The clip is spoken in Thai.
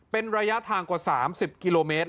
เป็นระยะทางกว่า๓๐กิโลเมตร